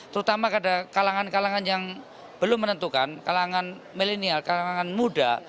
terutama pada kalangan kalangan yang belum menentukan kalangan milenial kalangan muda